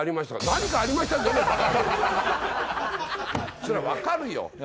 そりゃわかるよ